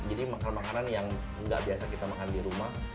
jadi makan makanan yang nggak biasa kita makan di rumah